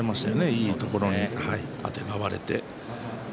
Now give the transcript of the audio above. いいところにあてがわれて。